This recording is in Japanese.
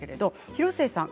広末さん